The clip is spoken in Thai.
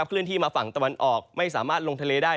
เลื่อนที่มาฝั่งตะวันออกไม่สามารถลงทะเลได้